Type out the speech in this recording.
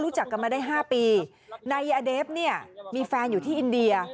กันมาได้๕ปีนายอเดฟเนี่ยมีแฟนอยู่ที่อินเดีย